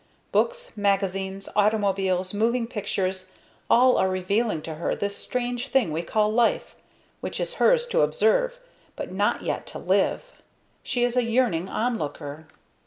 Books, magazines, automobiles, moving pictures, all are revealing to her this strange thing we call life, which is hers to observe but not yet to live. She is a yearning onlooker.